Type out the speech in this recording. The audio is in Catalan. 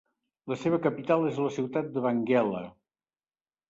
La seva capital és la ciutat de Benguela.